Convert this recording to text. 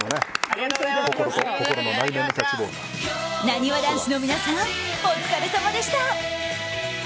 なにわ男子の皆さんお疲れさまでした。